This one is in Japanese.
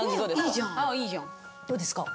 どうですか？